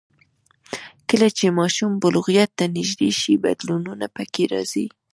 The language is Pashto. کله چې ماشوم بلوغیت ته نږدې شي، بدلونونه پکې راځي.